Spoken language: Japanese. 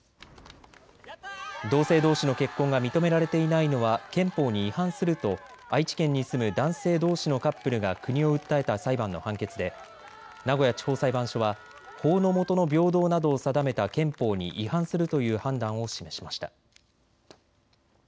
同性どうしの結婚が認められていないのは憲法に違反すると愛知県に住む男性どうしのカップルが国を訴えた裁判の判決で名古屋地方裁判所は法の下の平等などを定めた憲法に違反するという判断を示しました。